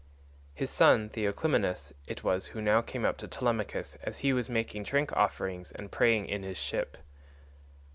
His son, Theoclymenus, it was who now came up to Telemachus as he was making drink offerings and praying in his ship.